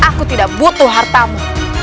aku tidak butuh hartamu